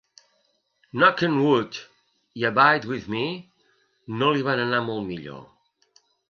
"Knock on Wood" i "Abide With Me" no li van anar molt millor.